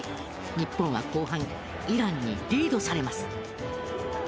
日本は後半イランにリードされます。